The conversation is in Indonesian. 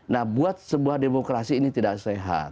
nah buat sebuah demokrasi ini tidak sehat